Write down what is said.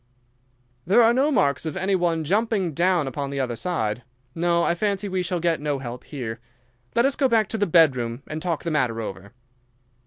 "There are no marks of any one jumping down upon the other side. No, I fancy we shall get no help here. Let us go back to the bedroom and talk the matter over."